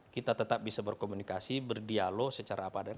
kita tetap bisa berkomunikasi berdialog secara apa dan